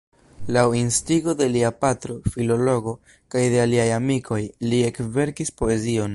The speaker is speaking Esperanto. Laŭ instigo de lia patro, filologo, kaj de aliaj amikoj, li ekverkis poezion.